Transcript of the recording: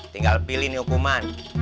tinggal pilih nih hukuman